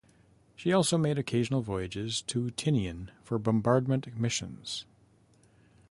She also made occasional voyages to Tinian for bombardment missions.